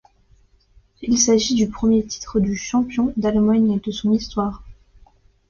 Il s'agit du premier titre de champion d'Allemagne de son histoire.